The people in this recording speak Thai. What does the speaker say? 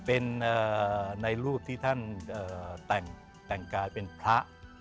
เป็นในรูปที่ท่านแต่งกายเป็นพระ